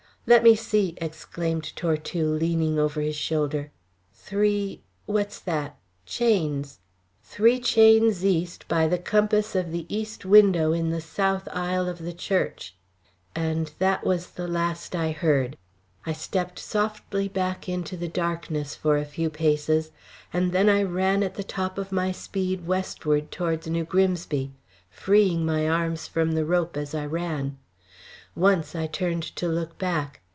"Let me see!" exclaimed Tortue, leaning over his shoulder. "Three what's that? chains. Three chains east by the compass of the east window in the south aisle of the church." And that was the last I heard. I stepped softly back into the darkness for a few paces, and then I ran at the top of my speed westwards towards New Grimsby, freeing my arms from the rope as I ran. Once I turned to look back.